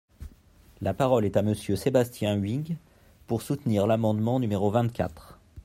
La parole est à Monsieur Sébastien Huyghe, pour soutenir l’amendement numéro vingt-quatre.